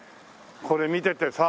これ見ててさ。